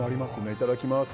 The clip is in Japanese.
いただきます。